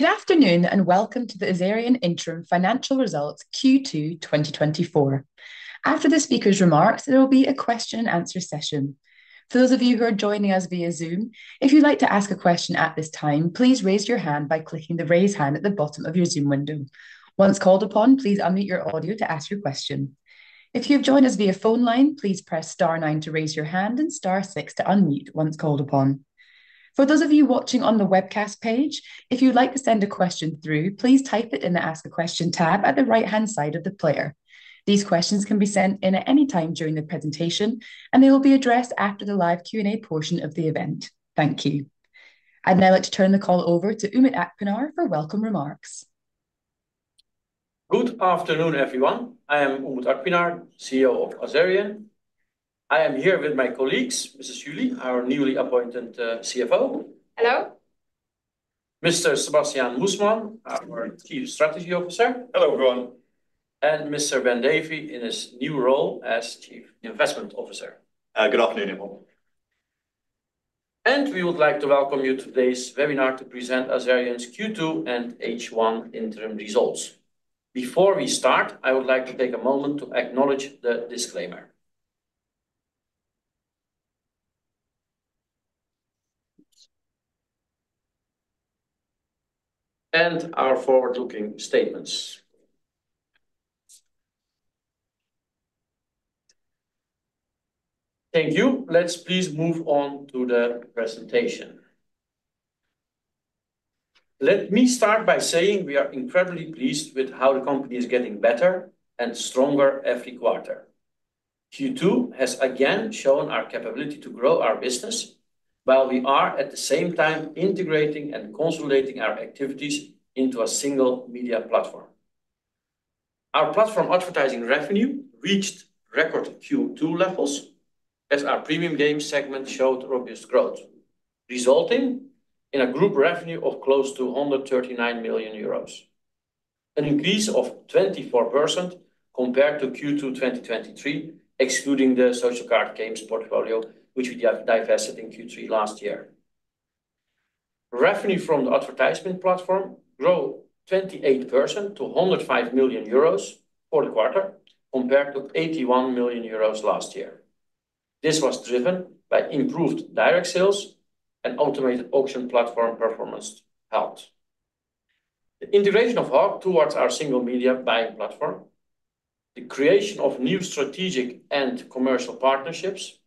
Good afternoon, and welcome to the Azerion Interim Financial Results Q2 2024. After the speaker's remarks, there will be a question and answer session. For those of you who are joining us via Zoom, if you'd like to ask a question at this time, please raise your hand by clicking the Raise Hand at the bottom of your Zoom window. Once called upon, please unmute your audio to ask your question. If you've joined us via phone line, please press star nine to raise your hand and star six to unmute once called upon. For those of you watching on the webcast page, if you'd like to send a question through, please type it in the Ask a Question tab at the right-hand side of the player. These questions can be sent in at any time during the presentation, and they will be addressed after the live Q&A portion of the event. Thank you. I'd now like to turn the call over to Umut Akpinar for welcome remarks. Good afternoon, everyone. I am Umut Akpinar, CEO of Azerion. I am here with my colleagues, Mrs. Julie, our newly appointed CFO. Hello. Mr. Sebastiaan Moesman Hello. our Chief Strategy Officer. Hello, everyone. Mr. Ben Davey in his new role as Chief Investment Officer. Good afternoon, everyone. We would like to welcome you to today's webinar to present Azerion's Q2 and H1 interim results. Before we start, I would like to take a moment to acknowledge the disclaimer and our forward-looking statements. Thank you. Let's please move on to the presentation. Let me start by saying we are incredibly pleased with how the company is getting better and stronger every quarter. Q2 has again shown our capability to grow our business, while we are at the same time integrating and consolidating our activities into a single media platform. Our platform advertising revenue reached record Q2 levels, as our premium game segment showed robust growth, resulting in a group revenue of close to 139 million euros, an increase of 24% compared to Q2 2023, excluding the social card games portfolio, which we divested in Q3 last year. Revenue from the advertisement platform grew 28% to 105 million euros for the quarter, compared to 81 million euros last year. This was driven by improved direct sales and automated auction platform performance helped. The integration of Hawk towards our single media buying platform, the creation of new strategic and commercial partnerships,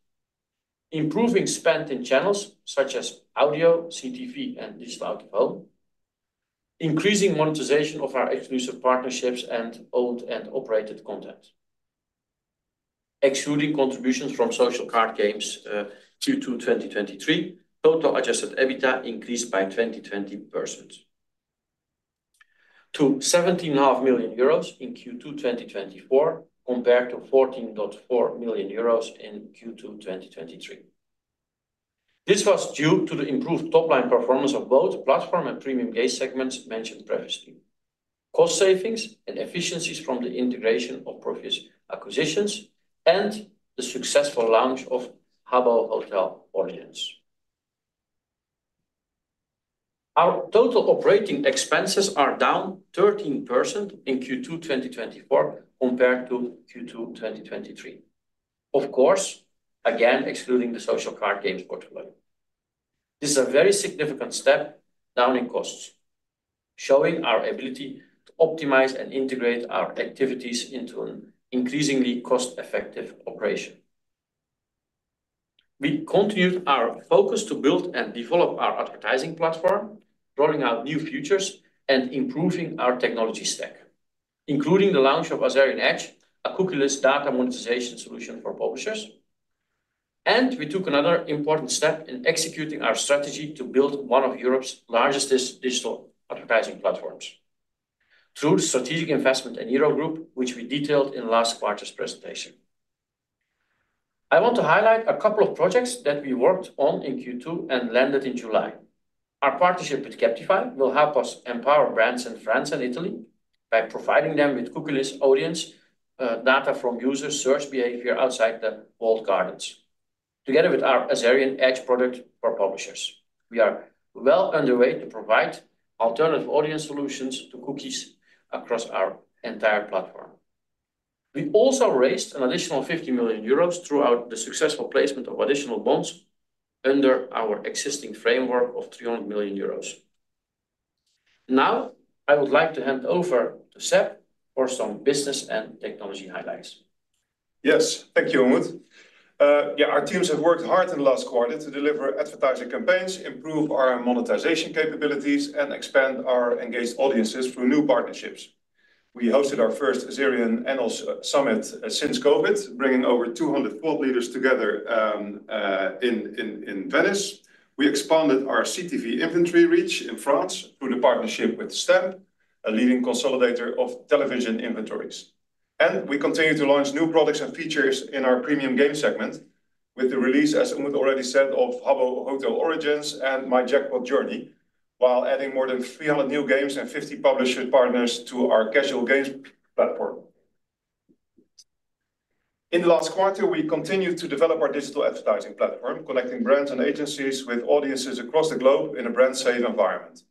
improving spend in channels such as audio, CTV, and digital out-of-home, increasing monetization of our exclusive partnerships and owned and operated content. Excluding contributions from social card games, Q2 2023, total Adjusted EBITDA increased by 22% to 17.5 million euros in Q2 2024, compared to 14.4 million euros in Q2 2023. This was due to the improved top-line performance of both platform and premium game segments mentioned previously, cost savings and efficiencies from the integration of previous acquisitions, and the successful launch of Habbo Hotel Origins. Our total operating expenses are down 13% in Q2 2024 compared to Q2 2023. Of course, again, excluding the social card games portfolio. This is a very significant step down in costs, showing our ability to optimize and integrate our activities into an increasingly cost-effective operation. We continued our focus to build and develop our advertising platform, rolling out new features and improving our technology stack, including the launch of Azerion Edge, a cookieless data monetization solution for publishers. And we took another important step in executing our strategy to build one of Europe's largest digital advertising platforms through the strategic investment in Eniro Group, which we detailed in last quarter's presentation. I want to highlight a couple of projects that we worked on in Q2 and landed in July. Our partnership with Captify will help us empower brands in France and Italy by providing them with cookieless audience data from user search behavior outside the walled gardens. Together with our Azerion Edge product for publishers, we are well underway to provide alternative audience solutions to cookies across our entire platform. We also raised an additional 50 million euros throughout the successful placement of additional bonds under our existing framework of 300 million euros. Now, I would like to hand over to Seb for some business and technology highlights. Yes. Thank you, Umut. Yeah, our teams have worked hard in the last quarter to deliver advertising campaigns, improve our monetization capabilities, and expand our engaged audiences through new partnerships. We hosted our first Azerion annual summit since COVID, bringing over 200 thought leaders together in Venice. We expanded our CTV inventory reach in France through the partnership with Stack, a leading consolidator of television inventories, And we continue to launch new products and features in our premium game segment with the release, as Umut already said, of Habbo Hotel Origins and My Jackpot Journey, while adding more than 300 new games and 50 publisher partners to our casual games platform. In the last quarter, we continued to develop our digital advertising platform, connecting brands and agencies with audiences across the globe in a brand-safe environment.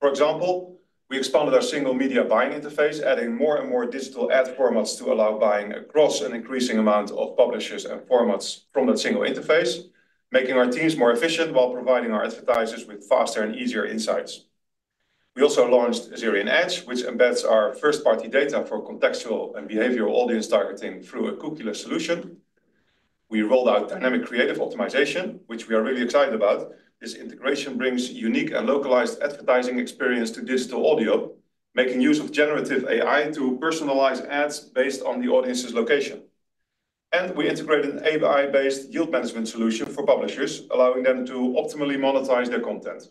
For example, we expanded our single media buying interface, adding more and more digital ad formats to allow buying across an increasing amount of publishers and formats from that single interface, making our teams more efficient while providing our advertisers with faster and easier insights. We also launched Azerion Edge, which embeds our first-party data for contextual and behavioral audience targeting through a cookieless solution. We rolled out dynamic creative optimization, which we are really excited about. This integration brings unique and localized advertising experience to digital audio, making use of generative AI to personalize ads based on the audience's location. And we integrated an AI-based yield management solution for publishers, allowing them to optimally monetize their content.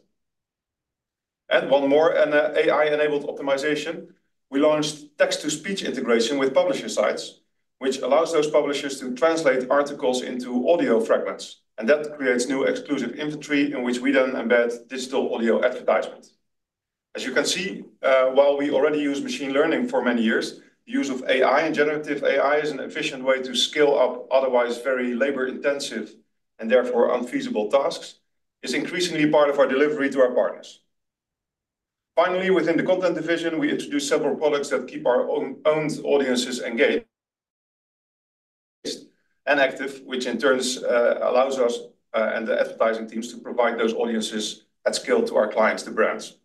And one more, an AI-enabled optimization, we launched text-to-speech integration with publisher sites, which allows those publishers to translate articles into audio fragments, and that creates new exclusive inventory in which we then embed digital audio advertisements. As you can see, while we already use machine learning for many years, the use of AI and generative AI is an efficient way to scale up otherwise very labor-intensive and therefore unfeasible tasks, is increasingly part of our delivery to our partners. Finally, within the content division, we introduced several products that keep our own audiences engaged and active, which in turn, allows us, and the advertising teams to provide those audiences at scale to our clients, the brands.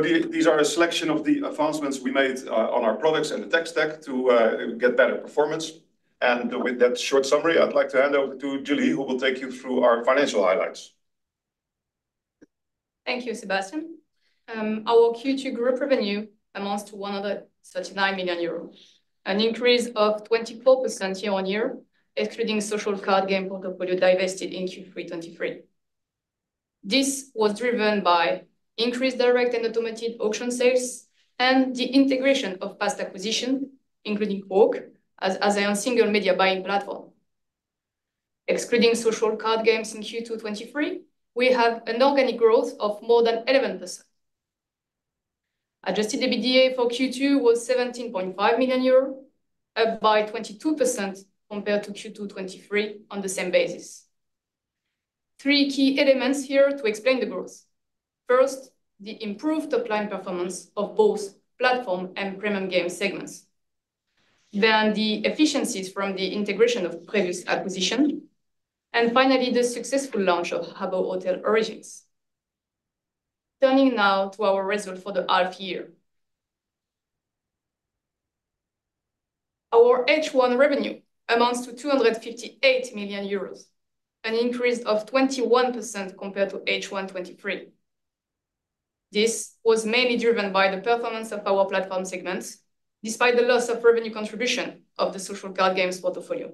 These are a selection of the advancements we made, on our products and the tech stack to, get better performance. With that short summary, I'd like to hand over to Julie, who will take you through our financial highlights. Thank you, Sebastiaan. Our Q2 group revenue amounts to 139 million euros, an increase of 24% year on year, excluding social card game portfolio divested in Q3 2023. This was driven by increased direct and automated auction sales and the integration of past acquisition, including Hawk, as a single media buying platform. Excluding social card games in Q2 2023, we have an organic growth of more than 11%. Adjusted EBITDA for Q2 was 17.5 million euros, up by 22% compared to Q2 2023 on the same basis. Three key elements here to explain the growth. First, the improved top-line performance of both platform and premium game segments, then the efficiencies from the integration of previous acquisition, and finally, the successful launch of Habbo Hotel Origins. Turning now to our result for the half year. Our H1 revenue amounts to 258 million euros, an increase of 21% compared to H1 2023. This was mainly driven by the performance of our platform segments, despite the loss of revenue contribution of the social card games portfolio.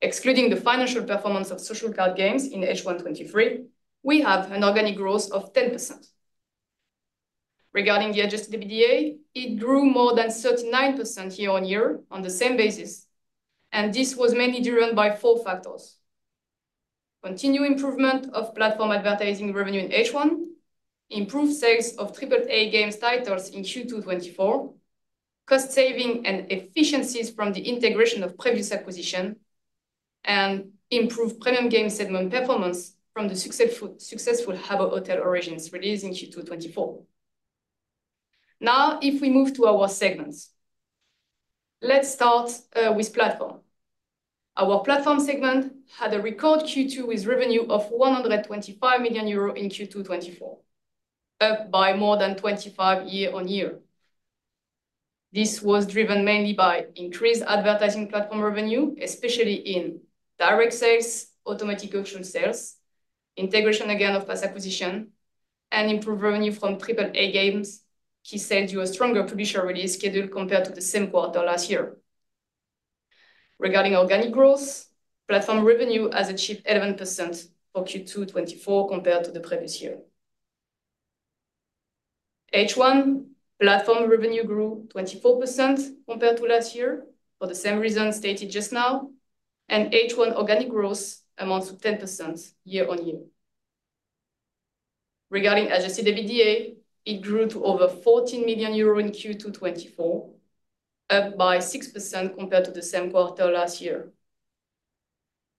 Excluding the financial performance of social card games in H1 2023, we have an organic growth of 10%. Regarding the Adjusted EBITDA, it grew more than 39% year on year on the same basis, and this was mainly driven by four factors: continued improvement of platform advertising revenue in H1, improved sales of AAA games titles in Q2 2024, cost saving and efficiencies from the integration of previous acquisition, and improved premium game segment performance from the successful Habbo Hotel Origins release in Q2 2024. Now, if we move to our segments, let's start with platform. Our platform segment had a record Q2 with revenue of 125 million euro in Q2 2024, up by more than 25% year on year. This was driven mainly by increased advertising platform revenue, especially in direct sales, automatic auction sales, integration again of past acquisition, and improved revenue from AAA games, which saw a stronger publisher release schedule compared to the same quarter last year. Regarding organic growth, platform revenue has achieved 11% for Q2 2024 compared to the previous year. H1 platform revenue grew 24% compared to last year for the same reason stated just now, and H1 organic growth amounts to 10% year on year. Regarding Adjusted EBITDA, it grew to over 14 million euro in Q2 2024, up by 6% compared to the same quarter last year.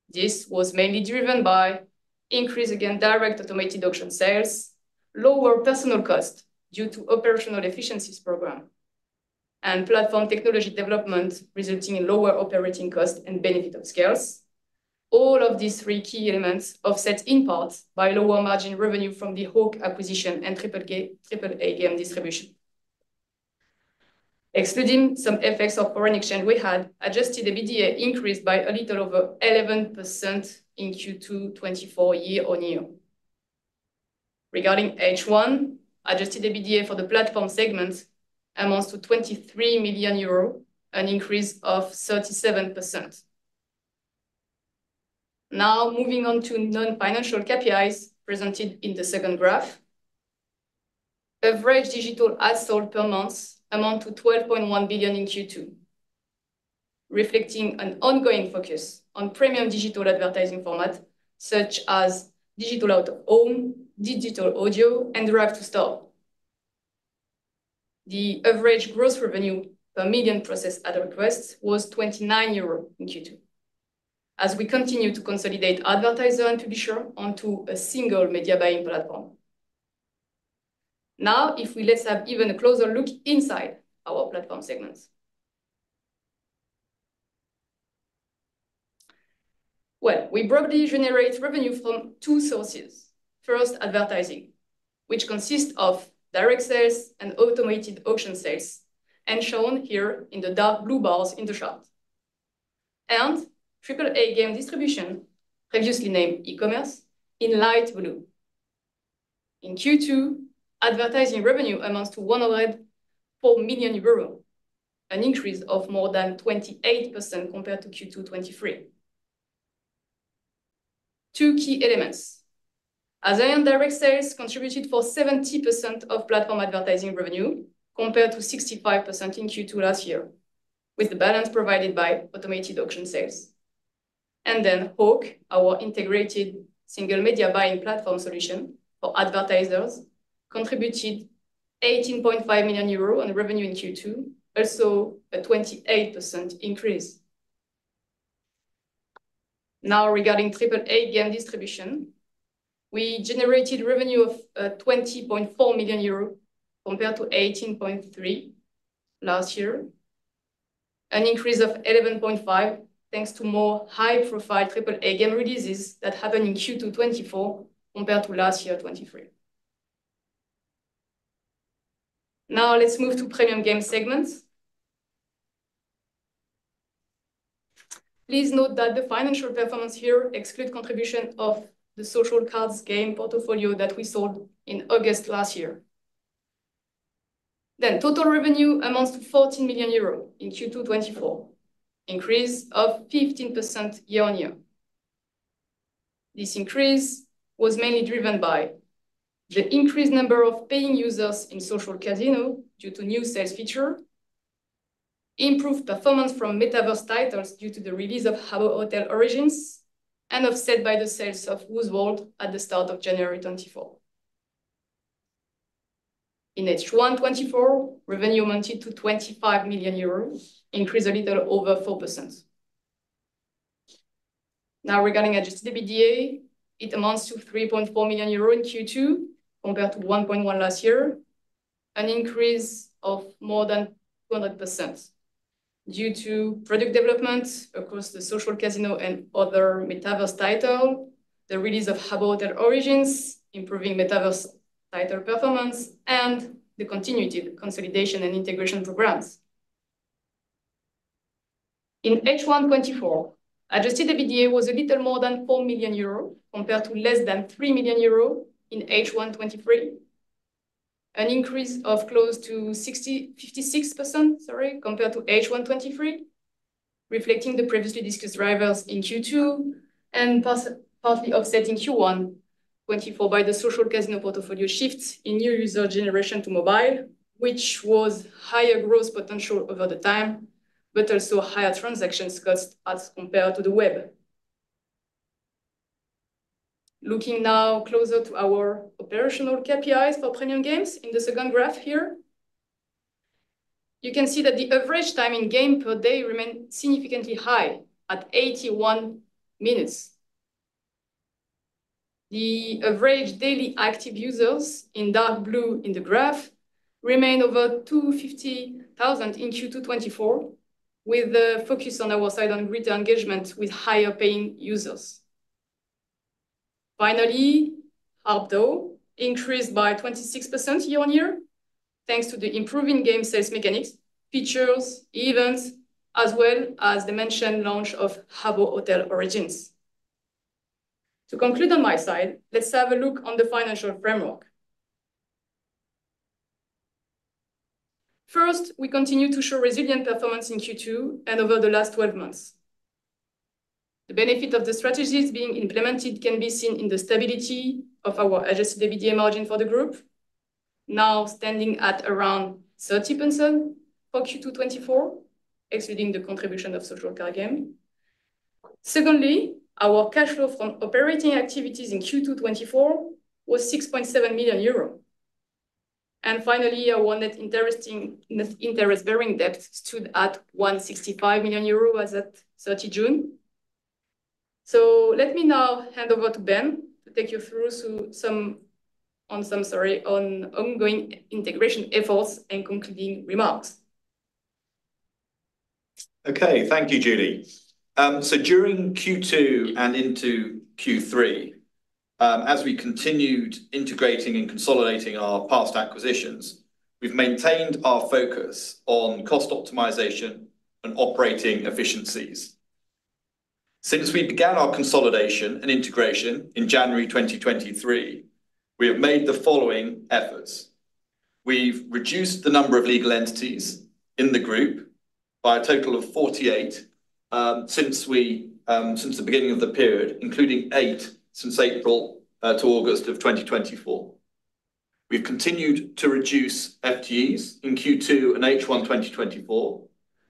This was mainly driven by increase, again, direct automated auction sales, lower personnel cost due to operational efficiencies program, and platform technology development, resulting in lower operating costs and benefit of scales. All of these three key elements offset in part by lower margin revenue from the Hawk acquisition and AAA game distribution. Excluding some effects of foreign exchange, we had adjusted EBITDA increased by a little over 11% in Q2 2024, year on year. Regarding H1, adjusted EBITDA for the platform segment amounts to 23 million euros, an increase of 37%. Now, moving on to non-financial KPIs presented in the second graph. Average digital ads sold per month amount to 12.1 billion in Q2, reflecting an ongoing focus on premium digital advertising formats such as digital out of home, digital audio, interactive store.... The average gross revenue per million processed ad requests was 29 euros in Q2. As we continue to consolidate advertiser and publisher onto a single media buying platform. Now, let's have even a closer look inside our platform segments. We broadly generate revenue from two sources. First, advertising, which consists of direct sales and automated auction sales, and shown here in the dark blue bars in the chart. AAA game distribution, previously named e-commerce, in light blue. In Q2, advertising revenue amounts to 104 million euros, an increase of more than 28% compared to Q2 2023. Two key elements. As direct sales contributed for 70% of platform advertising revenue, compared to 65% in Q2 last year, with the balance provided by automated auction sales. Then Hawk, our integrated single media buying platform solution for advertisers, contributed 18.5 million euro in revenue in Q2, also a 28% increase. Now, regarding AAA game distribution, we generated revenue of 20.4 million euros, compared to 18.3 last year, an increase of 11.5%, thanks to more high-profile AAA game releases that happened in Q2 2024 compared to last year, 2023. Now, let's move to premium game segments. Please note that the financial performance here exclude contribution of the social casino game portfolio that we sold in August last year. Then total revenue amounts to 14 million euros in Q2 2024, increase of 15% year on year. This increase was mainly driven by the increased number of paying users in social casino due to new sales feature, improved performance from metaverse titles due to the release of Habbo Hotel Origins, and offset by the sale of Woozworld at the start of January 2024. In H1 2024, revenue amounted to 25 million euros, increased a little over 4%. Now, regarding Adjusted EBITDA, it amounts to 3.4 million euro in Q2, compared to 1.1 million last year, an increase of more than 200%. Due to product development across the social casino and other metaverse titles, the release of Habbo Hotel Origins, improving metaverse title performance, and the continued consolidation and integration programs. In H1 2024, adjusted EBITDA was a little more than 4 million euro, compared to less than 3 million euro in H1 2023, an increase of close to 56%, sorry, compared to H1 2023, reflecting the previously discussed drivers in Q2 and partly offsetting Q1 2024 by the social casino portfolio shifts in new user generation to mobile, which was higher growth potential over the time, but also higher transaction costs as compared to the web. Looking now closer to our operational KPIs for premium games in the second graph here, you can see that the average time in game per day remained significantly high at 81 minutes. The average daily active users, in dark blue in the graph, remained over 250,000 in Q2 2024, with the focus on our side on greater engagement with higher-paying users. Finally, ARPDAU increased by 26% year on year, thanks to the improving game sales mechanics, features, events, as well as the mentioned launch of Habbo Hotel Origins. To conclude on my side, let's have a look on the financial framework. First, we continue to show resilient performance in Q2 and over the last twelve months. The benefit of the strategies being implemented can be seen in the stability of our Adjusted EBITDA margin for the group, now standing at around 30% for Q2 2024, excluding the contribution of social card game. Secondly, our cash flow from operating activities in Q2 2024 was 6.7 million euros. And finally, our net interest-bearing debt stood at 165 million euros as at 30 June.So let me now hand over to Ben to take you through some, sorry, ongoing integration efforts and concluding remarks. Okay. Thank you, Julie. So during Q2 and into Q3, as we continued integrating and consolidating our past acquisitions, we've maintained our focus on cost optimization and operating efficiencies. Since we began our consolidation and integration in January 2023, we have made the following efforts: We've reduced the number of legal entities in the group by a total of 48, since the beginning of the period, including eight since April to August of 2024. We've continued to reduce FTEs in Q2 and H1 2024,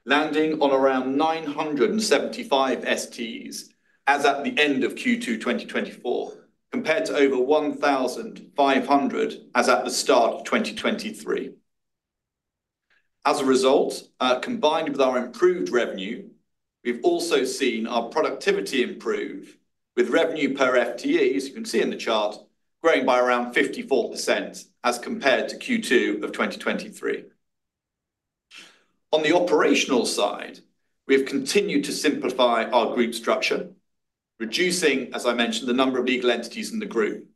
landing on around 975 FTEs, as at the end of Q2 2024, compared to over 1,500 as at the start of 2023. As a result, combined with our improved revenue, we've also seen our productivity improve, with revenue per FTE, as you can see in the chart, growing by around 54% as compared to Q2 of 2023. On the operational side, we have continued to simplify our group structure, reducing, as I mentioned, the number of legal entities in the group.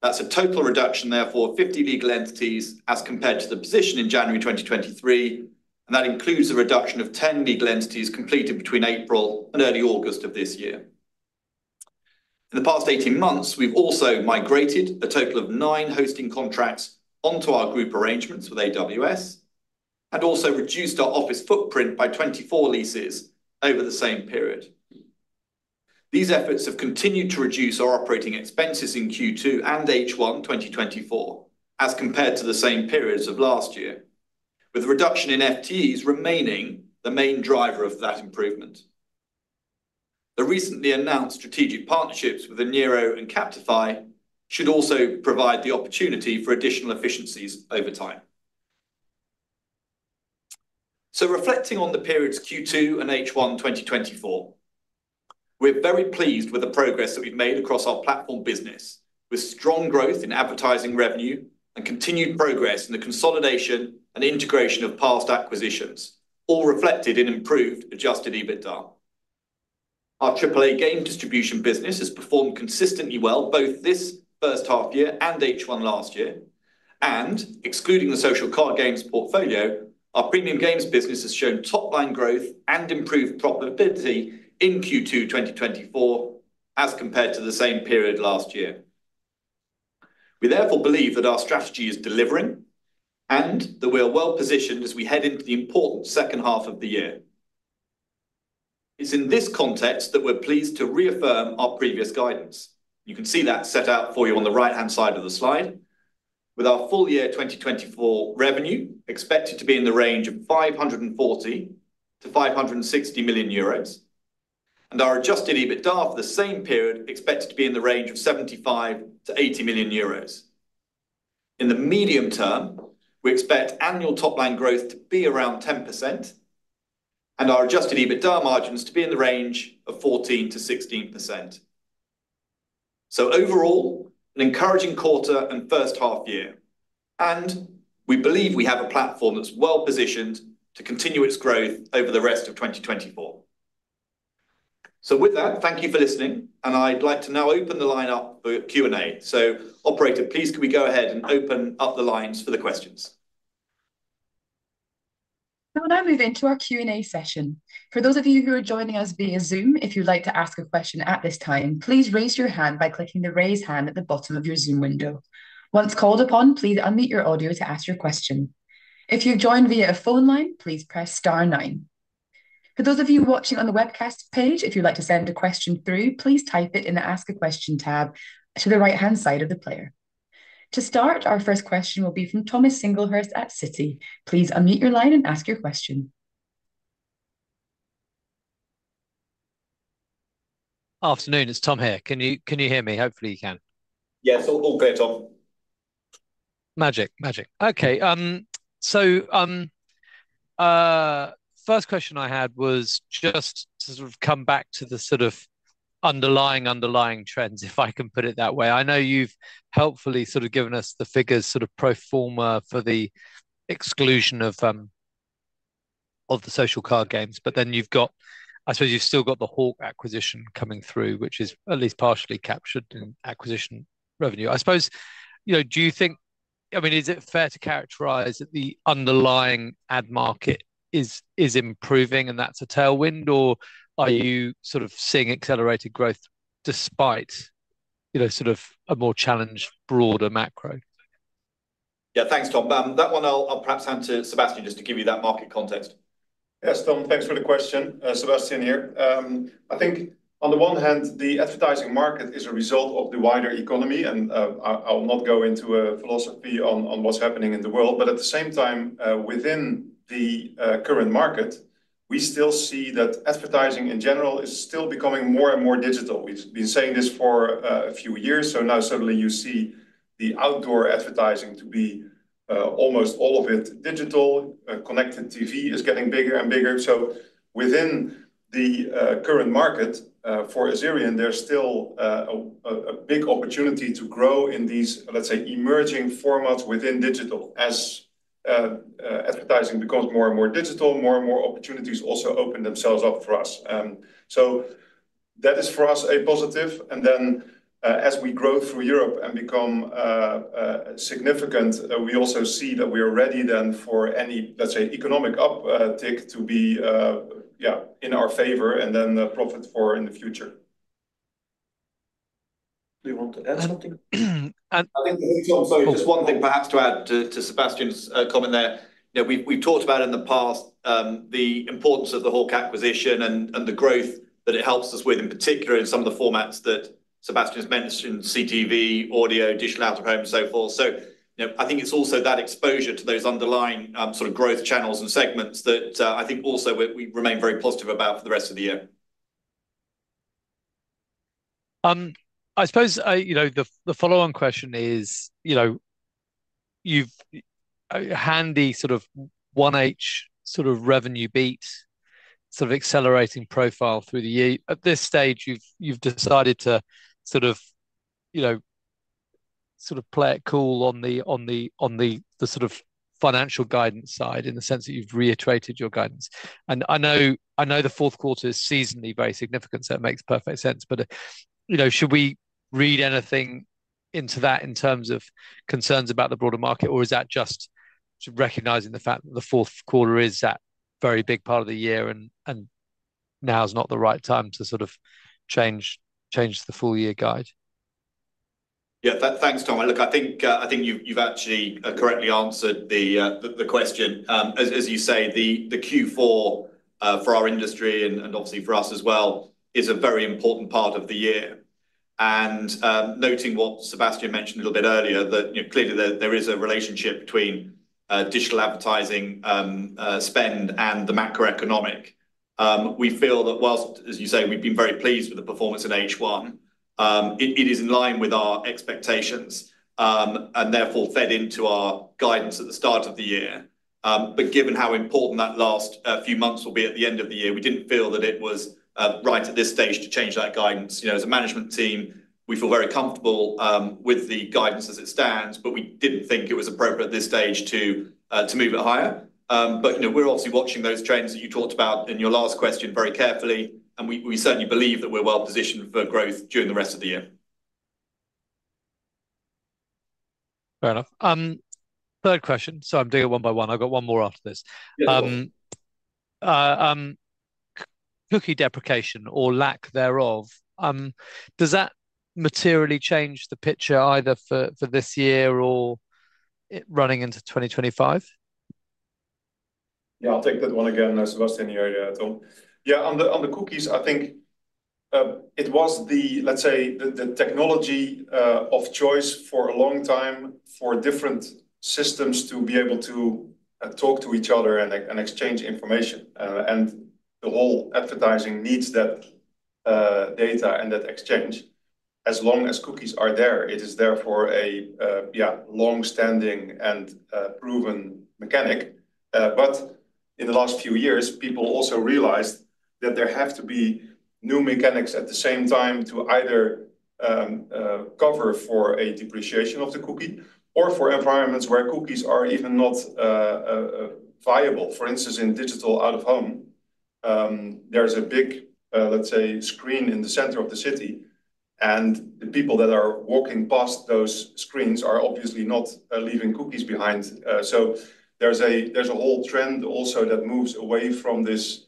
That's a total reduction, therefore, of 50 legal entities as compared to the position in January 2023, and that includes a reduction of 10 legal entities completed between April and early August of this year. In the past 18 months, we've also migrated a total of 9 hosting contracts onto our group arrangements with AWS, and also reduced our office footprint by 24 leases over the same period. These efforts have continued to reduce our operating expenses in Q2 and H1 2024 as compared to the same periods of last year, with a reduction in FTEs remaining the main driver of that improvement. The recently announced strategic partnerships with Eniro and Captify should also provide the opportunity for additional efficiencies over time. Reflecting on the periods Q2 and H1 2024, we're very pleased with the progress that we've made across our platform business, with strong growth in advertising revenue and continued progress in the consolidation and integration of past acquisitions, all reflected in improved adjusted EBITDA. Our AAA game distribution business has performed consistently well, both this first half year and H1 last year, and excluding the social card games portfolio, our premium games business has shown top-line growth and improved profitability in Q2 2024, as compared to the same period last year. We therefore believe that our strategy is delivering, and that we are well-positioned as we head into the important second half of the year. It's in this context that we're pleased to reaffirm our previous guidance. You can see that set out for you on the right-hand side of the slide, with our full year 2024 revenue expected to be in the range of 540-560 million euros, and our adjusted EBITDA for the same period expected to be in the range of 75-80 million euros. In the medium term, we expect annual top-line growth to be around 10%, and our adjusted EBITDA margins to be in the range of 14%-16%. Overall, an encouraging quarter and first half year, and we believe we have a platform that's well-positioned to continue its growth over the rest of 2024. With that, thank you for listening, and I'd like to now open the line up for Q&A. Operator, please, can we go ahead and open up the lines for the questions? We'll now move into our Q&A session. For those of you who are joining us via Zoom, if you'd like to ask a question at this time, please raise your hand by clicking the Raise Hand at the bottom of your Zoom window. Once called upon, please unmute your audio to ask your question. If you've joined via a phone line, please press star nine. For those of you watching on the webcast page, if you'd like to send a question through, please type it in the Ask a Question tab to the right-hand side of the player. To start, our first question will be from Thomas Singlehurst at Citi. Please unmute your line and ask your question. Afternoon, it's Tom here. Can you, can you hear me? Hopefully, you can. Yes, all good, Tom. Okay, so first question I had was just to sort of come back to the sort of underlying trends, if I can put it that way. I know you've helpfully sort of given us the figures, sort of pro forma for the exclusion of the social card games, but then you've got, I suppose you've still got the Hawk acquisition coming through, which is at least partially captured in acquisition revenue. I suppose, you know, do you think... I mean, is it fair to characterize that the underlying ad market is improving, and that's a tailwind? Or are you sort of seeing accelerated growth despite, you know, sort of a more challenged, broader macro? Yeah. Thanks, Tom. That one I'll perhaps hand to Sebastiaan, just to give you that market context. Yes, Tom, thanks for the question. Sebastian here. I think on the one hand, the advertising market is a result of the wider economy, and, I, I'll not go into a philosophy on what's happening in the world, but at the same time, within the current market, we still see that advertising in general is still becoming more and more digital. We've been saying this for a few years, so now suddenly you see the outdoor advertising to be almost all of it digital. Connected TV is getting bigger and bigger. So within the current market, for Azerion, there's still a big opportunity to grow in these, let's say, emerging formats within digital. As advertising becomes more and more digital, more and more opportunities also open themselves up for us. That is, for us, a positive, and then, as we grow through Europe and become significant, we also see that we are ready for any, let's say, economic uptick to be in our favor, and then profitability in the future. Do you want to add something? I think, Tom, sorry, just one thing perhaps to add to Sebastian's comment there. You know, we've talked about in the past the importance of the Hawk acquisition and the growth that it helps us with, in particular, in some of the formats that Sebastian's mentioned, CTV, audio, digital out-of-home, and so forth. So, you know, I think it's also that exposure to those underlying sort of growth channels and segments that I think also we remain very positive about for the rest of the year.... I suppose, you know, the follow-on question is, you know, you've a handy sort of one H sort of revenue beat, sort of accelerating profile through the year. At this stage, you've decided to sort of, you know, sort of play it cool on the, on the, the sort of financial guidance side, in the sense that you've reiterated your guidance. And I know the fourth quarter is seasonally very significant, so it makes perfect sense. But, you know, should we read anything into that in terms of concerns about the broader market? Or is that just recognizing the fact that the fourth quarter is that very big part of the year, and now is not the right time to sort of change the full year guide? Yeah. Thanks, Tom. Look, I think you've actually correctly answered the question. As you say, the Q4 for our industry and obviously for us as well is a very important part of the year. And noting what Sebastiaan mentioned a little bit earlier, that you know clearly there is a relationship between digital advertising spend and the macroeconomic. We feel that whilst as you say we've been very pleased with the performance in H1 it is in line with our expectations and therefore fed into our guidance at the start of the year. But given how important that last few months will be at the end of the year we didn't feel that it was right at this stage to change that guidance. You know, as a management team, we feel very comfortable with the guidance as it stands, but we didn't think it was appropriate at this stage to move it higher, but you know, we're obviously watching those trends that you talked about in your last question very carefully, and we certainly believe that we're well positioned for growth during the rest of the year. Fair enough. Third question, so I'm doing it one by one. I've got one more after this. Yeah. Cookie deprecation, or lack thereof, does that materially change the picture either for this year or running into 2025? Yeah, I'll take that one again, as Sebastiaan here, Tom. Yeah, on the cookies, I think it was the, let's say, the technology of choice for a long time for different systems to be able to talk to each other and exchange information, and the whole advertising needs that data and that exchange. As long as cookies are there, it is therefore a yeah, long-standing and proven mechanic. But in the last few years, people also realized that there have to be new mechanics at the same time to either cover for a depreciation of the cookie or for environments where cookies are even not viable. For instance, in Digital Out-of-Home, there's a big, let's say, screen in the center of the city, and the people that are walking past those screens are obviously not leaving cookies behind. So there's a whole trend also that moves away from this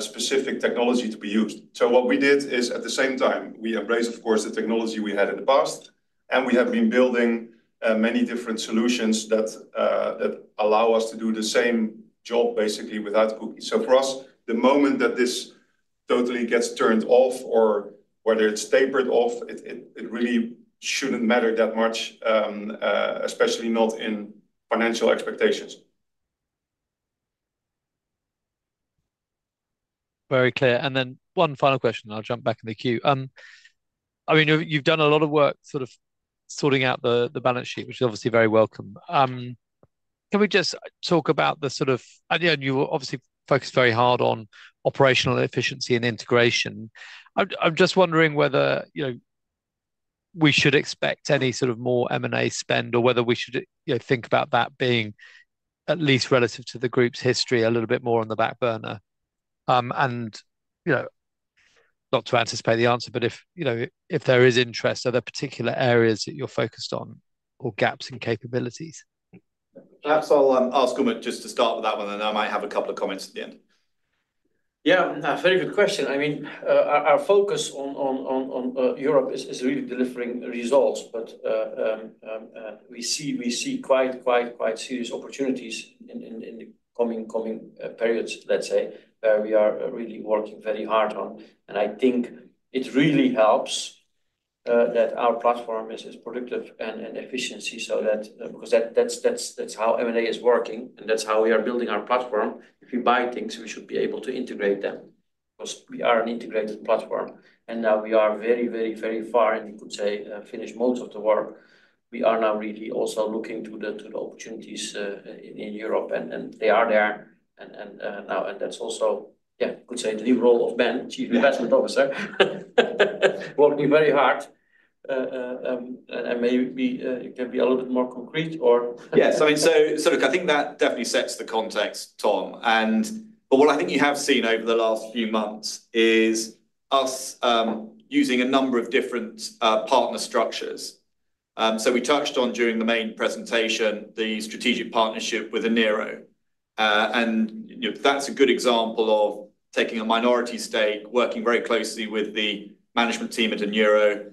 specific technology to be used. So what we did is, at the same time, we embraced, of course, the technology we had in the past, and we have been building many different solutions that allow us to do the same job, basically without cookies. So for us, the moment that this totally gets turned off, or whether it's tapered off, it really shouldn't matter that much, especially not in financial expectations. Very clear, and then one final question, and I'll jump back in the queue. I mean, you've done a lot of work sort of sorting out the balance sheet, which is obviously very welcome. Can we just talk about, and you know, you obviously focus very hard on operational efficiency and integration. I'm just wondering whether, you know, we should expect any sort of more M&A spend or whether we should, you know, think about that being at least relative to the group's history, a little bit more on the back burner, and you know, not to anticipate the answer, but if, you know, there is interest, are there particular areas that you're focused on or gaps in capabilities? Perhaps I'll ask Umut just to start with that one, and I might have a couple of comments at the end. Yeah, very good question. I mean, our focus on Europe is really delivering results, but we see quite serious opportunities in the coming periods, let's say, we are really working very hard on. And I think it really helps that our platform is as productive and efficiency, so that because that's how M&A is working, and that's how we are building our platform. If we buy things, we should be able to integrate them because we are an integrated platform, and now we are very far, and you could say finished most of the work. We are now really also looking to the opportunities in Europe, and they are there. Now that's also, yeah, you could say the new role of Ben, Chief Investment Officer, working very hard. Maybe it can be a little bit more concrete or- Yes, I mean, so look, I think that definitely sets the context, Tom, and but what I think you have seen over the last few months is us using a number of different partner structures. So we touched on, during the main presentation, the strategic partnership with Eniro. And, you know, that's a good example of taking a minority stake, working very closely with the management team at Eniro,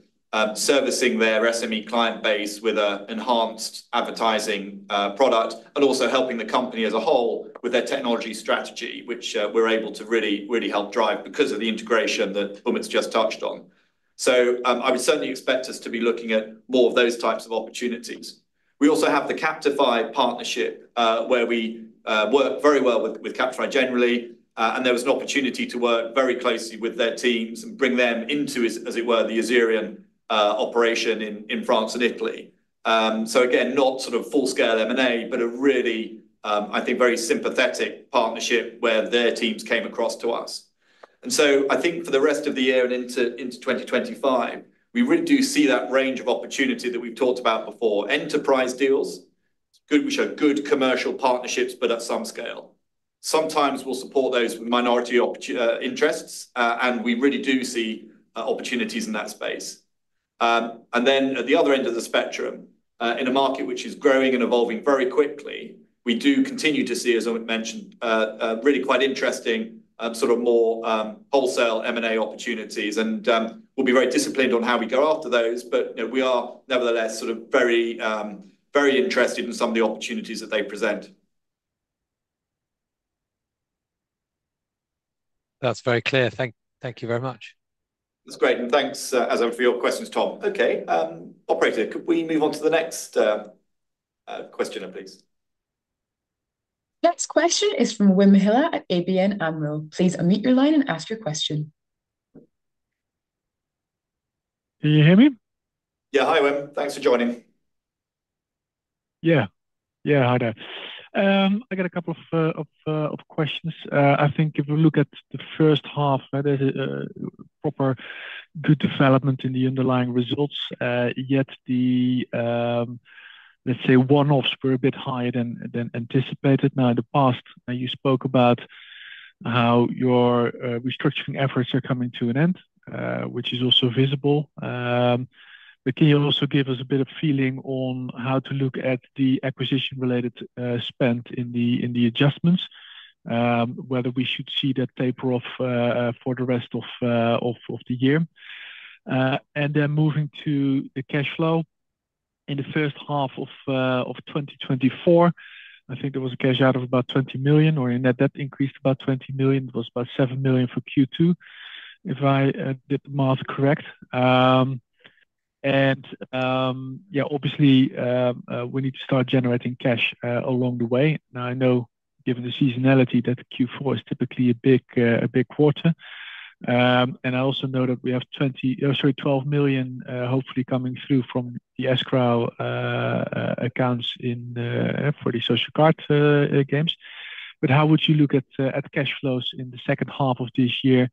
servicing their SME client base with an enhanced advertising product, and also helping the company as a whole with their technology strategy, which we're able to really, really help drive because of the integration that Umut's just touched on. So I would certainly expect us to be looking at more of those types of opportunities. We also have the Captify partnership, where we work very well with Captify generally. And there was an opportunity to work very closely with their teams and bring them into, as it were, the Azerion operation in France and Italy. So again, not sort of full-scale M&A, but a really, I think, very sympathetic partnership where their teams came across to us. And so I think for the rest of the year and into 2025, we really do see that range of opportunity that we've talked about before. Enterprise deals, it's good, which are good commercial partnerships, but at some scale. Sometimes we'll support those with minority interests, and we really do see opportunities in that space. And then at the other end of the spectrum, in a market which is growing and evolving very quickly, we do continue to see, as I mentioned, a really quite interesting sort of more wholesale M&A opportunities, and we'll be very disciplined on how we go after those. But you know, we are nevertheless sort of very very interested in some of the opportunities that they present. That's very clear. Thank you very much. That's great, and thanks, as for your questions, Tom. Okay, operator, could we move on to the next questioner, please? Next question is from Wim Gille at ABN AMRO. Please unmute your line and ask your question. Can you hear me? Yeah. Hi, Wim. Thanks for joining. Yeah, yeah, hi there. I got a couple of questions. I think if we look at the first half, we had proper good development in the underlying results, yet the, let's say, one-offs were a bit higher than anticipated. Now, in the past, you spoke about how your restructuring efforts are coming to an end, which is also visible. But can you also give us a bit of feeling on how to look at the acquisition-related spend in the adjustments? Whether we should see that taper off for the rest of the year. And then moving to the cash flow. In the first half of 2024, I think there was a cash out of about 20 million, or in that that increased about 20 million. It was about 7 million for Q2, if I did the math correct. And yeah, obviously, we need to start generating cash along the way. Now, I know, given the seasonality, that Q4 is typically a big quarter. And I also know that we have 20, sorry, 12 million, hopefully coming through from the escrow accounts in for the Social Casino games. But how would you look at cash flows in the second half of this year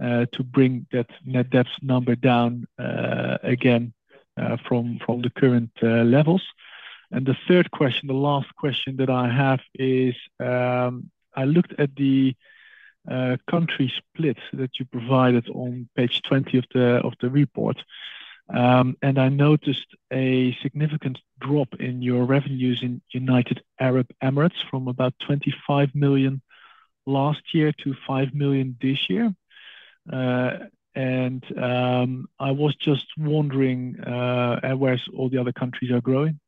to bring that net debt number down again from the current levels? The third question, the last question that I have is, I looked at the country split that you provided on page 20 of the report. I noticed a significant drop in your revenues in United Arab Emirates from about 25 million last year to 5 million this year. I was just wondering, whereas all the other countries are growing,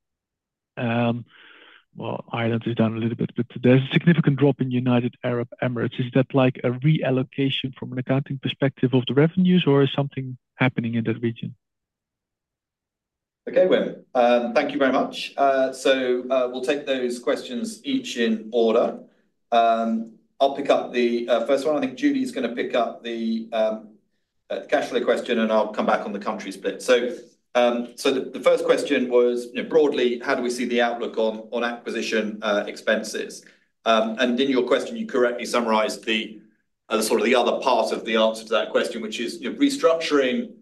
well, Ireland is down a little bit, but there's a significant drop in United Arab Emirates. Is that like a reallocation from an accounting perspective of the revenues, or is something happening in that region? Okay, Wim, thank you very much. We'll take those questions each in order. I'll pick up the first one. I think Julie is gonna pick up the cash flow question, and I'll come back on the country split. The first question was, you know, broadly, how do we see the outlook on acquisition expenses, and in your question, you correctly summarized sort of the other part of the answer to that question, which is, you know, restructuring.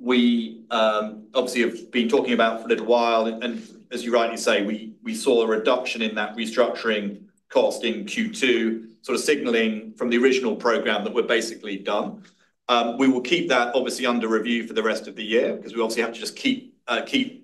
We obviously have been talking about for a little while, and as you rightly say, we saw a reduction in that restructuring cost in Q2, sort of signaling from the original program that we're basically done. We will keep that obviously under review for the rest of the year, because we obviously have to just keep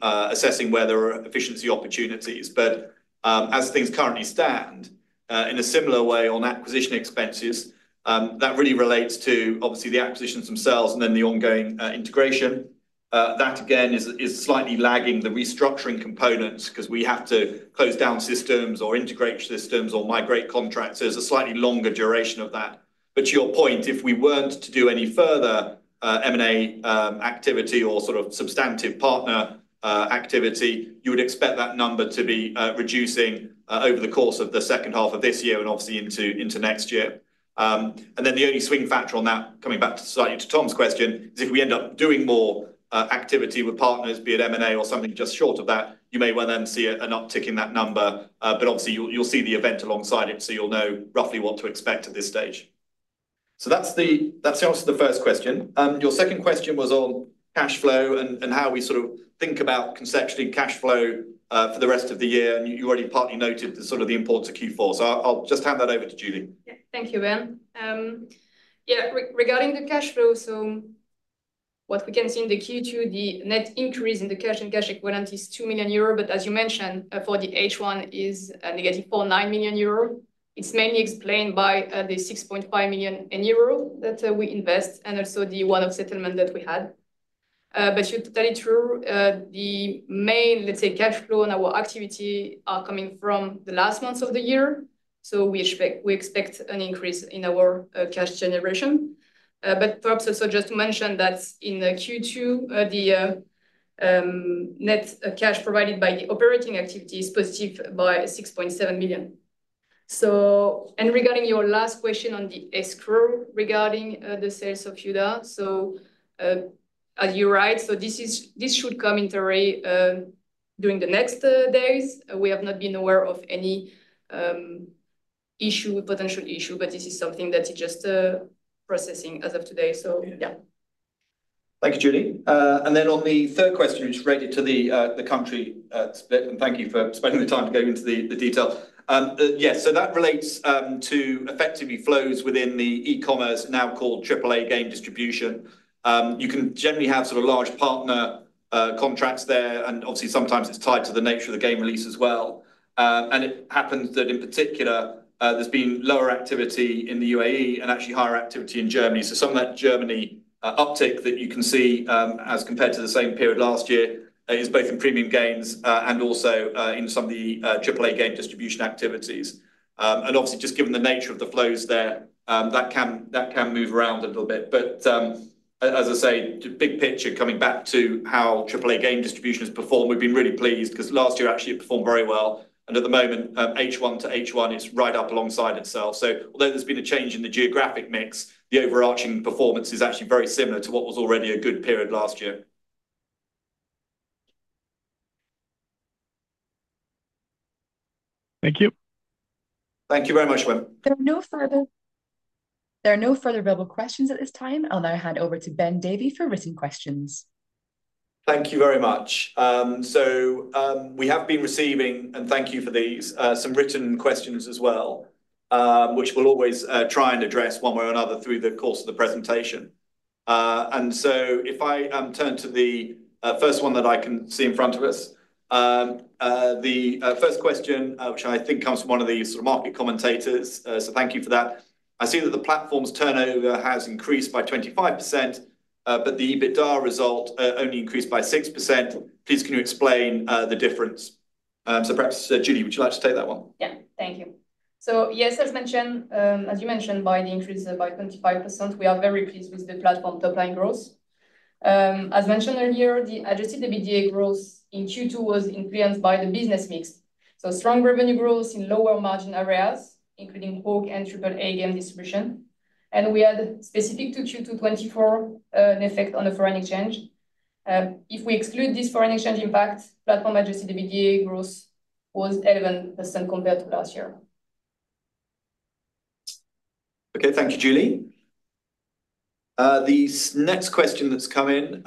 assessing where there are efficiency opportunities. But, as things currently stand, in a similar way on acquisition expenses, that really relates to obviously the acquisitions themselves and then the ongoing integration. That again is slightly lagging the restructuring components, 'cause we have to close down systems or integrate systems or migrate contracts. There's a slightly longer duration of that. But to your point, if we weren't to do any further M&A activity or sort of substantive partner activity, you would expect that number to be reducing over the course of the second half of this year and obviously into next year. And then the only swing factor on that, coming back slightly to Tom's question, is if we end up doing more activity with partners, be it M&A or something just short of that, you may well then see an uptick in that number. But obviously, you'll see the event alongside it, so you'll know roughly what to expect at this stage. So that's the answer to the first question. Your second question was on cash flow and how we sort of think about conceptually cash flow for the rest of the year, and you already partly noted the sort of importance of Q4. So I'll just hand that over to Julie. Yeah. Thank you, Wim. Yeah, regarding the cash flow, so what we can see in the Q2, the net increase in the cash and cash equivalent is 2 million euro, but as you mentioned, for the H1 is a negative 49 million euro. It's mainly explained by the 6.5 million euro that we invest and also the one-off settlement that we had. But should tell it through, the main, let's say, cash flow and our activity are coming from the last months of the year. So we expect an increase in our cash generation. But perhaps also just to mention that in the Q2, the net cash provided by the operating activity is positive by 6.7 million. And regarding your last question on the escrow regarding the sales of Youda. You're right, so this should come into Azerion during the next days. We have not been aware of any issue, potential issue, but this is something that is just processing as of today. Yeah. Thank you, Julie. And then on the third question, which related to the country split, and thank you for spending the time to go into the detail. Yes, so that relates to effectively flows within the e-commerce now called AAA Game Distribution. You can generally have sort of large partner contracts there, and obviously sometimes it's tied to the nature of the game release as well. And it happens that in particular, there's been lower activity in the UAE and actually higher activity in Germany. So some of that Germany uptick that you can see, as compared to the same period last year, is both in premium games and also in some of the AAA Game Distribution activities. And obviously, just given the nature of the flows there, that can move around a little bit. But, as I say, the big picture coming back to how AAA Game Distribution has performed, we've been really pleased, 'cause last year actually it performed very well. And at the moment, H1 to H1, it's right up alongside itself. So although there's been a change in the geographic mix, the overarching performance is actually very similar to what was already a good period last year. Thank you. Thank you very much, Wim. There are no further available questions at this time. I'll now hand over to Ben Davey for written questions. Thank you very much. So, we have been receiving, and thank you for these, some written questions as well, which we'll always, try and address one way or another through the course of the presentation. And so if I, turn to the first one that I can see in front of us. The first question, which I think comes from one of the sort of market commentators, so thank you for that. "I see that the platform's turnover has increased by 25%, but the EBITDA result, only increased by 6%. Please, can you explain the difference?" So perhaps, Julie, would you like to take that one? Yeah. Thank you. So, yes, as mentioned, as you mentioned, by the increase by 25%, we are very pleased with the platform top line growth. As mentioned earlier, the Adjusted EBITDA growth in Q2 2024 was influenced by the business mix. So strong revenue growth in lower margin areas, including Hawk and AAA game distribution. And we had specific to Q2 2024, an effect on the foreign exchange. If we exclude this foreign exchange impact, platform Adjusted EBITDA growth was 11% compared to last year. Okay. Thank you, Julie. The next question that's come in,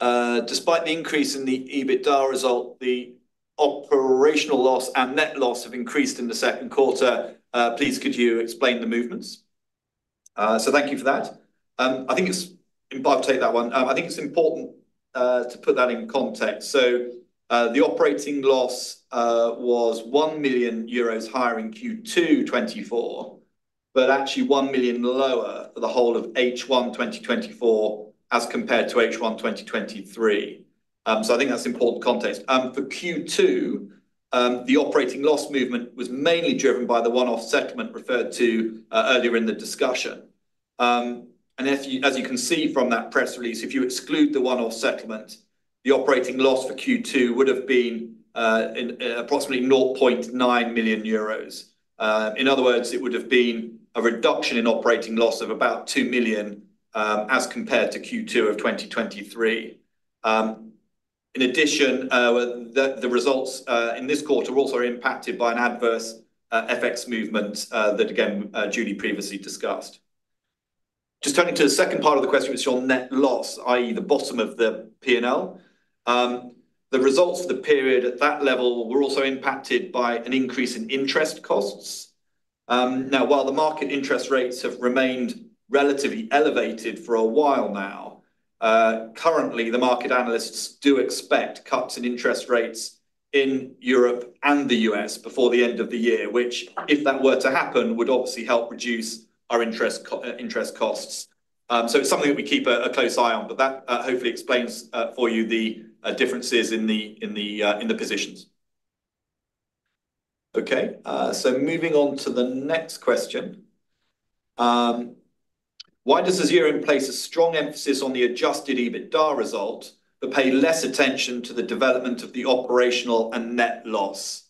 "Despite the increase in the EBITDA result, the operational loss and net loss have increased in the second quarter. Please, could you explain the movements?" So thank you for that. I think it's... I'll take that one. I think it's important to put that in context. The operating loss was 1 million euros higher in Q2 2024, but actually 1 million EUR lower for the whole of H1 2024 as compared to H1 2023. So I think that's important context. For Q2, the operating loss movement was mainly driven by the one-off settlement referred to earlier in the discussion. And if you, as you can see from that press release, if you exclude the one-off settlement, the operating loss for Q2 would have been, in, approximately 0.9 million euros. In other words, it would have been a reduction in operating loss of about 2 million, as compared to Q2 of 2023. In addition, the results in this quarter are also impacted by an adverse FX movement, that again, Julie previously discussed. Just turning to the second part of the question, which is on net loss, i.e., the bottom of the P&L. The results for the period at that level were also impacted by an increase in interest costs. Now, while the market interest rates have remained relatively elevated for a while now, currently, the market analysts do expect cuts in interest rates in Europe and the U.S. before the end of the year, which, if that were to happen, would obviously help reduce our interest costs. So it's something that we keep a close eye on, but that hopefully explains for you the differences in the positions. Okay, so moving on to the next question: "Why does Azerion place a strong emphasis on the Adjusted EBITDA result, but pay less attention to the development of the operational and net loss?"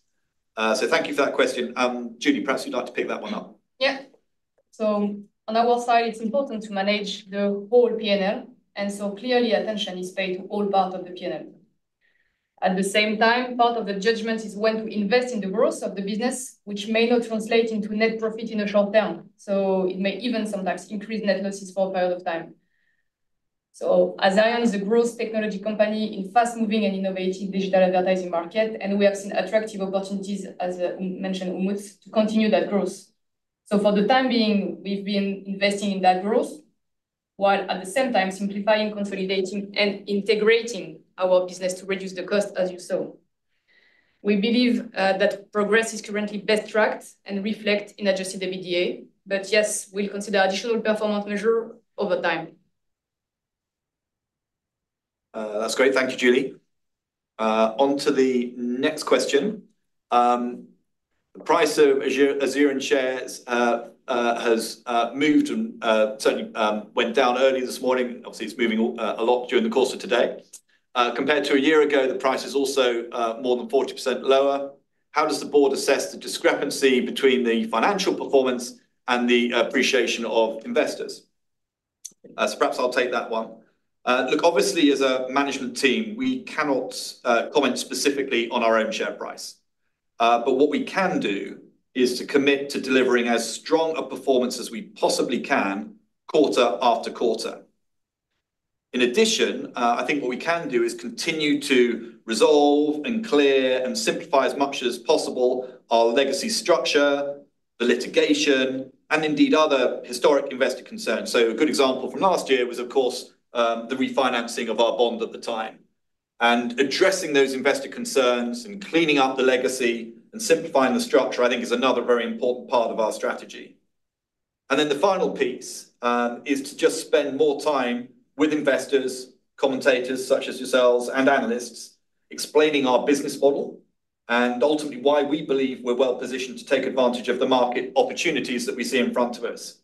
So thank you for that question. Julie, perhaps you'd like to pick that one up. Yeah. So on our side, it's important to manage the whole P&L, and so clearly attention is paid to all parts of the P&L. At the same time, part of the judgment is when to invest in the growth of the business, which may not translate into net profit in the short term, so it may even sometimes increase net losses for a period of time. So Azerion is a growth technology company in fast-moving and innovative digital advertising market, and we have seen attractive opportunities, as mentioned, Umut, to continue that growth. So for the time being, we've been investing in that growth, while at the same time simplifying, consolidating, and integrating our business to reduce the cost, as you saw. We believe that progress is currently best tracked and reflected in Adjusted EBITDA, but yes, we'll consider additional performance measures over time.... That's great. Thank you, Julie. On to the next question. The price of Azerion shares has moved and certainly went down early this morning. Obviously, it's moving a lot during the course of today. Compared to a year ago, the price is also more than 40% lower. How does the board assess the discrepancy between the financial performance and the appreciation of investors? So perhaps I'll take that one. Look, obviously, as a management team, we cannot comment specifically on our own share price. But what we can do is to commit to delivering as strong a performance as we possibly can, quarter after quarter. In addition, I think what we can do is continue to resolve and clear and simplify as much as possible our legacy structure, the litigation, and indeed, other historic investor concerns. So a good example from last year was, of course, the refinancing of our bond at the time. And addressing those investor concerns and cleaning up the legacy and simplifying the structure, I think is another very important part of our strategy. And then the final piece is to just spend more time with investors, commentators, such as yourselves and analysts, explaining our business model, and ultimately, why we believe we're well-positioned to take advantage of the market opportunities that we see in front of us.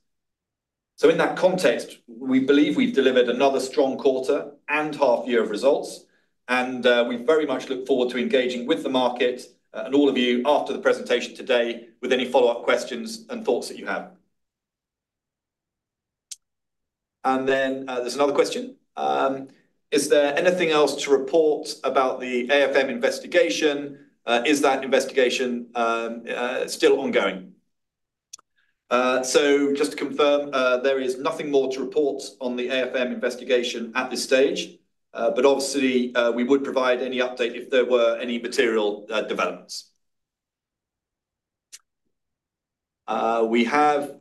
So in that context, we believe we've delivered another strong quarter and half year of results, and we very much look forward to engaging with the market and all of you after the presentation today, with any follow-up questions and thoughts that you have. And then there's another question. Is there anything else to report about the AFM investigation? Is that investigation still ongoing? So just to confirm, there is nothing more to report on the AFM investigation at this stage. But obviously we would provide any update if there were any material developments. We have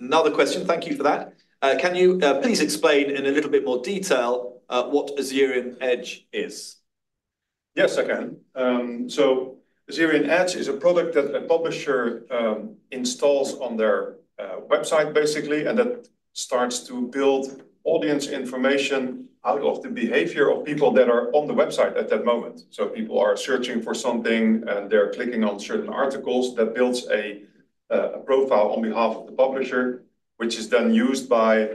another question. Thank you for that. Can you please explain in a little bit more detail what Azerion Edge is? Yes, I can. So Azerion Edge is a product that a publisher installs on their website, basically, and that starts to build audience information out of the behavior of people that are on the website at that moment. So people are searching for something, and they're clicking on certain articles. That builds a profile on behalf of the publisher, which is then used by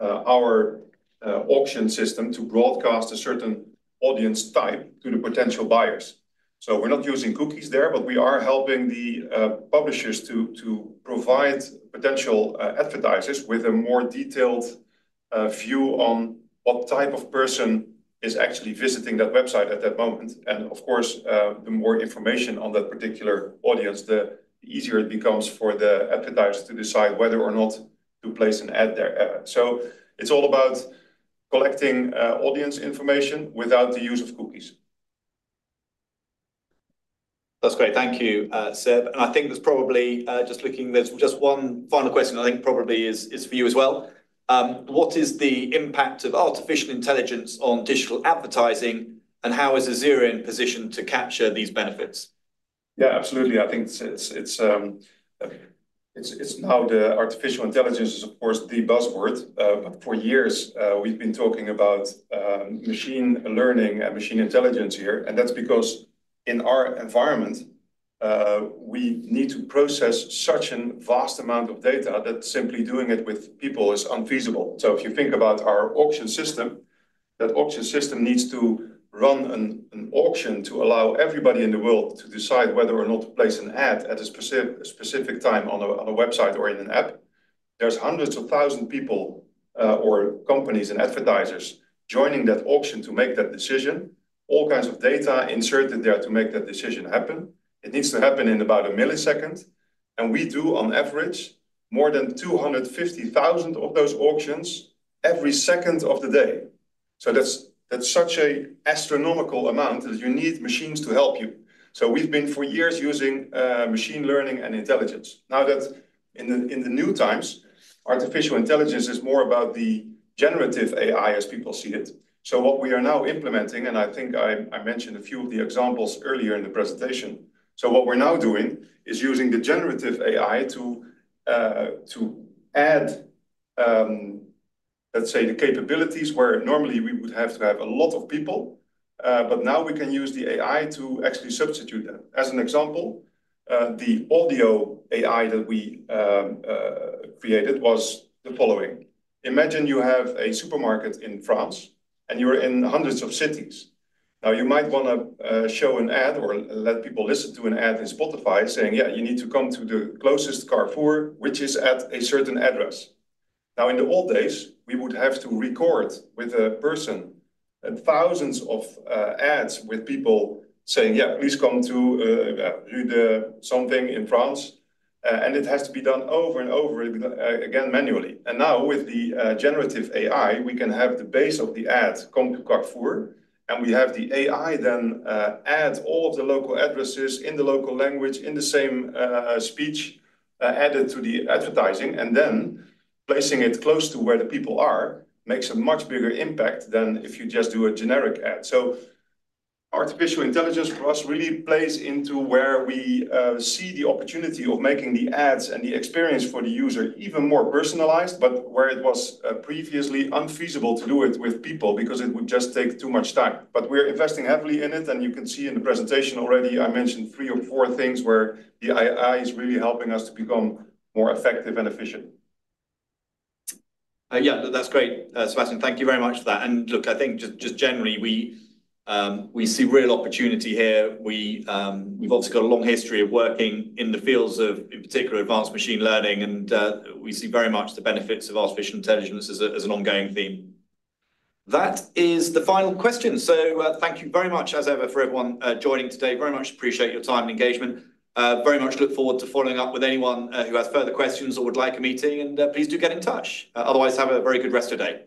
our auction system to broadcast a certain audience type to the potential buyers. So we're not using cookies there, but we are helping the publishers to provide potential advertisers with a more detailed view on what type of person is actually visiting that website at that moment. And of course, the more information on that particular audience, the easier it becomes for the advertiser to decide whether or not to place an ad there.It's all about collecting audience information without the use of cookies. That's great. Thank you, Seb, and I think there's probably just looking. There's just one final question I think probably is for you as well. What is the impact of artificial intelligence on digital advertising, and how is Azerion positioned to capture these benefits? Yeah, absolutely. I think it's now the artificial intelligence is, of course, the buzzword, but for years we've been talking about machine learning and machine intelligence here, and that's because in our environment we need to process such a vast amount of data that simply doing it with people is unfeasible. So if you think about our auction system, that auction system needs to run an auction to allow everybody in the world to decide whether or not to place an ad at a specific time on a website or in an app. There's hundreds of thousands of people or companies and advertisers joining that auction to make that decision. All kinds of data are inserted there to make that decision happen. It needs to happen in about a millisecond, and we do, on average, more than 250,000 of those auctions every second of the day. So that's such an astronomical amount that you need machines to help you. So we've been, for years, using machine learning and intelligence. Now, in the new times, artificial intelligence is more about the generative AI as people see it. So what we are now implementing, and I think I mentioned a few of the examples earlier in the presentation. So what we're now doing is using the generative AI to add, let's say the capabilities, where normally we would have to have a lot of people, but now we can use the AI to actually substitute them. As an example, the audio AI that we created was the following: Imagine you have a supermarket in France, and you are in hundreds of cities. Now, you might wanna show an ad or let people listen to an ad in Spotify saying, "Yeah, you need to come to the closest Carrefour," which is at a certain address. Now, in the old days, we would have to record with a person and thousands of ads with people saying, "Yeah, please come to something in France," and it has to be done over and over again, manually. And now, with the generative AI, we can have the base of the ad come to Carrefour, and we have the AI then add all of the local addresses in the local language, in the same speech added to the advertising, and then placing it close to where the people are, makes a much bigger impact than if you just do a generic ad. So artificial intelligence for us really plays into where we see the opportunity of making the ads and the experience for the user even more personalized, but where it was previously unfeasible to do it with people because it would just take too much time. But we're investing heavily in it, and you can see in the presentation already, I mentioned three or four things where the AI is really helping us to become more effective and efficient. Yeah, that's great, Sebastiaan. Thank you very much for that. And look, I think just, just generally, we, we see real opportunity here. We, we've obviously got a long history of working in the fields of, in particular, advanced machine learning and, we see very much the benefits of artificial intelligence as a, as an ongoing theme. That is the final question. So, thank you very much, as ever, for everyone, joining today. Very much appreciate your time and engagement. Very much look forward to following up with anyone, who has further questions or would like a meeting, and, please do get in touch. Otherwise, have a very good rest of the day.